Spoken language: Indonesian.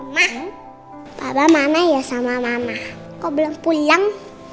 ma papa mana ya sama mama kok belum pulang